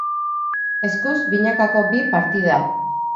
Eskuz binakako bi partida.